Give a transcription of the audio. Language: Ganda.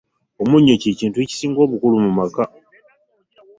Omunnyo kye kimu ku bintu ebisinga obukulu mu maka.